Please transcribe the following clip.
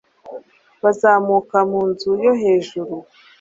bazamuka mu nzu yo hejuru